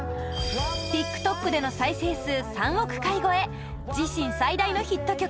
ＴｉｋＴｏｋでの再生数３億回超え自身最大のヒット曲